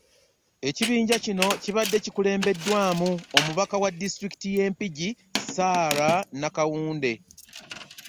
Ekibinja kino kibadde kukulembeddwamu omubaka owa disitulikiti y'e Mpigi, Sarah Nakawunde